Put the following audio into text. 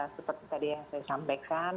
seperti tadi yang saya sampaikan